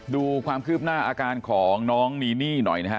ดูความคืบหน้าอาการของน้องนีนี่หน่อยนะฮะ